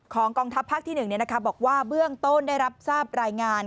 กองทัพภาคที่๑บอกว่าเบื้องต้นได้รับทราบรายงาน